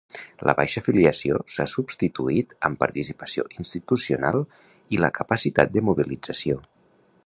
La baixa afiliació s’ha substituït amb participació institucional i la capacitat de mobilització.